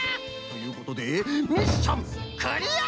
ということでミッションクリア！